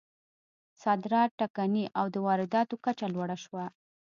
صادرات ټکني او د وارداتو کچه لوړه شوه.